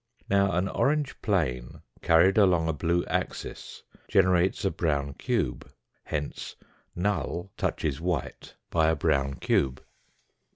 Now an orange plane carried along a blue axis generates a brown cube. Hence null touches white by a brown cube.